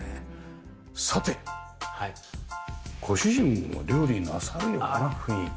さてご主人も料理なさるような雰囲気。